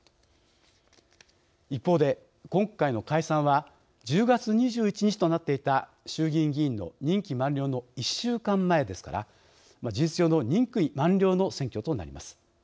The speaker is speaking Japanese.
一方で、今回の解散は１０月２１日となっていた衆議院議員の任期満了の１週間前ですから、事実上の任期満了の選挙となります。